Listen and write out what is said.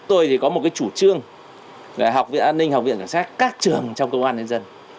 tôi thì có một cái chủ trương học viện an ninh học viện cảnh sát các trường trong công an nhân dân